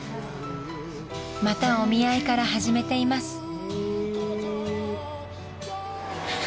［またお見合いから始めています］